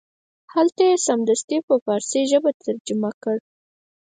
هلته یې سمدستي په فارسي ژبه ترجمه کړ.